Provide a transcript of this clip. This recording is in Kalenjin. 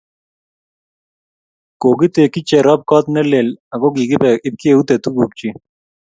Kokitekchi Cherop kot ne lel ako kikipe ipkeute tukuk chik.